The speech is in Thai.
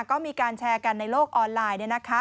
ก็มีการแชร์กันในโลกออนไลน์